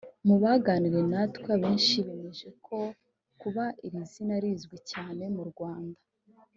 Mu baganiriye natwe abenshi bemeje ko kuba iri zina rizwi cyane mu Rwanda